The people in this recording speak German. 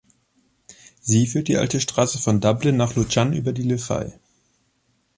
Sie führt die alte Straße von Dublin nach Lucan über die Liffey.